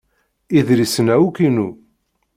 Idlisen-a akk inu.